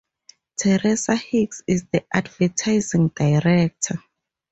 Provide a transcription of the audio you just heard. Teresa Hicks is the Advertising Director.